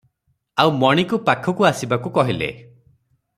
ଆଉ ମଣିକୁ ପାଖକୁ ଆସିବାକୁ କହିଲେ ।